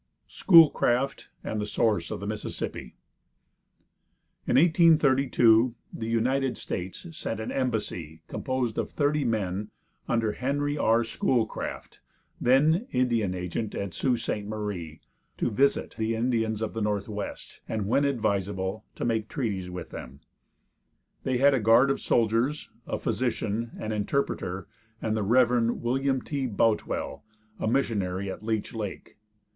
SCHOOLCRAFT AND THE SOURCE OF THE MISSISSIPPI. In 1832 the United States sent an embassy, composed of thirty men, under Henry R. Schoolcraft, then Indian Agent at Sault Ste. Marie, to visit the Indians of the Northwest, and, when advisable, to make treaties with them. They had a guard of soldiers, a physician, an interpreter, and the Rev. William T. Boutwell, a missionary at Leech Lake.